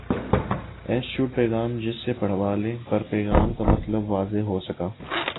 S چھوٹ پیغام جن سے پڑھ والے پر پیغام کا مطلب واضح ہو سکہ